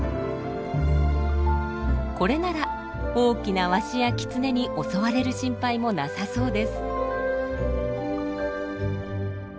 これなら大きなワシやキツネに襲われる心配もなさそうです。